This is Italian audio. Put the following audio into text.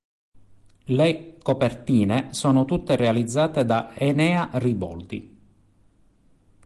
Le copertina sono tutte realizzate da Enea Riboldi.